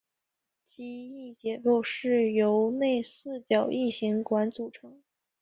机翼结构是由内四角异型管组成。